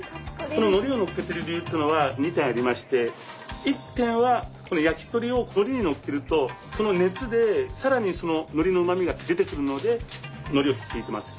こののりをのっけてる理由っていうのは２点ありまして１点はこの焼き鳥をのりにのっけるとその熱で更にそののりのうまみが出てくるのでのりをひいてます。